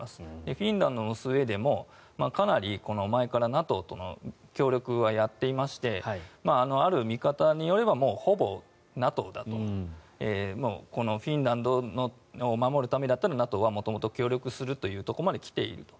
フィンランドもスウェーデンもかなり前からＮＡＴＯとの協力はやっていましてある見方によればほぼＮＡＴＯだとこのフィンランドを守るためだったらＮＡＴＯは元々協力するというところまで来ていると。